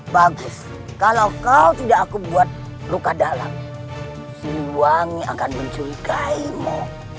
bagus kalau kau tidak aku buat luka dalam si wangi akan mencurigaimu